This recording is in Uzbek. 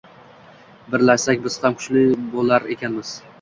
Birlashsak, biz ham kuchli bo’lar ekanmiz